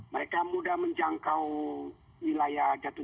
mereka mudah menjangkau wilayah jatuh